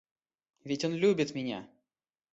Ведь он любит меня!